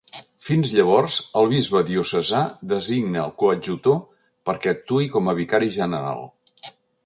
Fins llavors, el bisbe diocesà designa el coadjutor perquè actuï com a vicari general.